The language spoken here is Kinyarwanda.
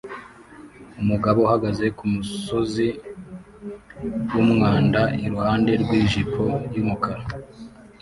Umugabo uhagaze kumusozi wumwanda iruhande rwijipo yumukara